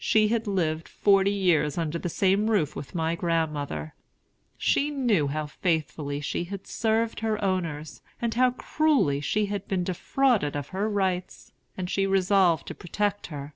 She had lived forty years under the same roof with my grandmother; she knew how faithfully she had served her owners, and how cruelly she had been defrauded of her rights, and she resolved to protect her.